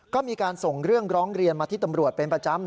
ก็มีการส่งเรื่องร้องเรียนมาที่ตำรวจเป็นประจำ